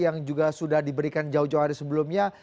yang juga sudah diberikan jauh jauh hari sebelumnya